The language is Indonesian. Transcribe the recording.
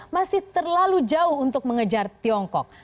masih terlalu jauh untuk mengejar tiongkok